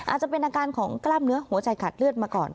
อาจจะเป็นอาการของกล้ามเนื้อหัวใจขาดเลือดมาก่อน